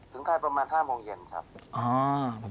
ค่ายประมาณ๕โมงเย็นครับ